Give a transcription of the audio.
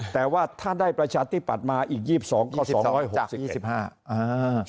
แต่ว่าถ้าได้ประชาธิปัตย์มาอีก๒๒เขาสองร้อยหกสิบเอ็ด